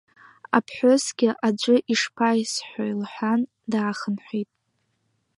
Иԥҳәысгьы, аӡәы ишԥаисҳәои, — лҳәан, даахынҳәит.